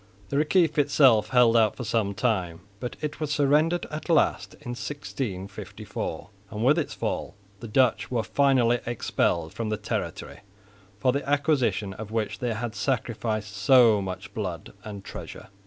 The Reciff itself held out for some time, but it was surrendered at last in 1654; and with its fall the Dutch were finally expelled from the territory for the acquisition of which they had sacrificed so much blood and treasure.